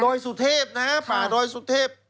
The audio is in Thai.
โดยสุเทพนะป่าโดยสุเทพ